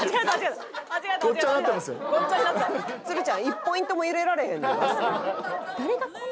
つるちゃん１ポイントも入れられへんねん